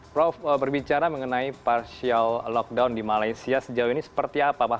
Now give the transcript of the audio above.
prof berbicara mengenai partial lockdown di malaysia sejauh ini seperti apa mas